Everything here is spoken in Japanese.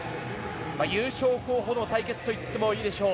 優勝候補の対決と言ってもいいでしょう。